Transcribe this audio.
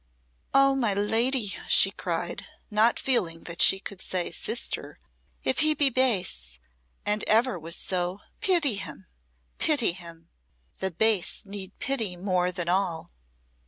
"Oh, my lady!" she cried, not feeling that she could say "sister," "if he be base, and ever was so, pity him, pity him! The base need pity more than all."